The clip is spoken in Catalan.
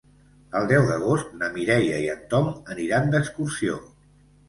El deu d'agost na Mireia i en Tom aniran d'excursió.